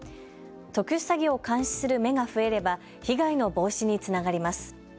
特殊詐欺を監視する目が増えれば被害の防止につながります。